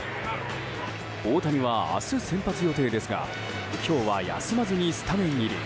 大谷は明日、先発予定ですが今日は休まずにスタメン入り。